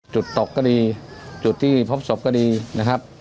ตกก็ดีจุดที่พบศพก็ดีนะครับ